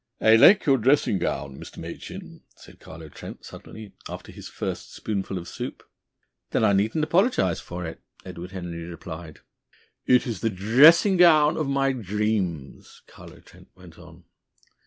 "I like your dressing gown, Mr. Machin," said Carlo Trent suddenly, after his first spoonful of soup. "Then I needn't apologise for it!" Edward Henry replied. "It is the dressing gown of my dreams," Carlo Trent went on.